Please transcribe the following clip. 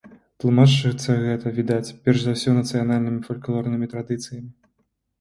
Тлумачыцца гэта, відаць, перш за ўсё нацыянальнымі фальклорнымі традыцыямі.